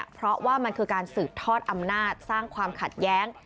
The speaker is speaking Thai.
เพราะว่ามันคือการสืบทอดอำนาจสร้างความขัดแย้ง